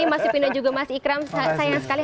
mas pipin dan juga mas ikram sayang sekali